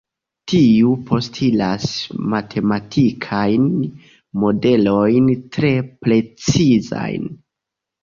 Tio postulas matematikajn modelojn tre precizajn.